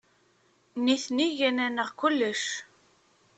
Nitni gan-aneɣ kullec.